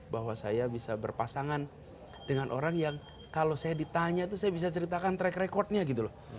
bahwa saya bisa berpasangan dengan orang yang kalau saya ditanya itu saya bisa ceritakan track recordnya gitu loh